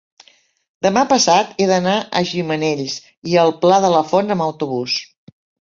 demà passat he d'anar a Gimenells i el Pla de la Font amb autobús.